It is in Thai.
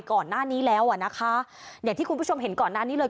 ก่อนหน้านี้แล้วอ่ะนะคะอย่างที่คุณผู้ชมเห็นก่อนหน้านี้เลย